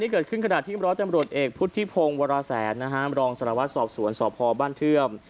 กลุ่มรวดเอกพุทธิพงศ์วราแสนรองศาลวัตรศาสตร์สวนสอบพลบ้านเทือม